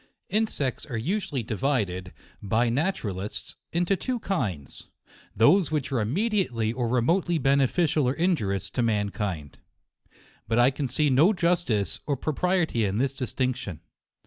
Insects are usually divided, by naturalists, into two kinds : those which are immediately or remotely beneficial or injurious to man kind. But I can see no justice or propriety in this distinction.